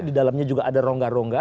di dalamnya juga ada rongga rongga